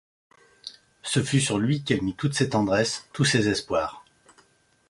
Ce fut sur lui qu’elle mit toutes ses tendresses, tous ses espoirs.